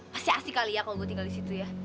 pasti asik kali ya kalo gue tinggal disitu ya